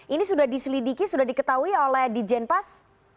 ini sudah diselidiki sudah diketahui oleh di jenpas